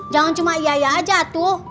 jangan cuma iya ya aja tuh